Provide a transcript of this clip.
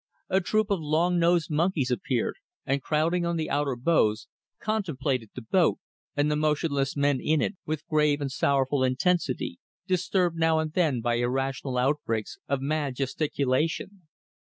A troop of long nosed monkeys appeared, and crowding on the outer boughs, contemplated the boat and the motionless men in it with grave and sorrowful intensity, disturbed now and then by irrational outbreaks of mad gesticulation.